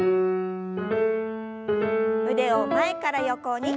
腕を前から横に。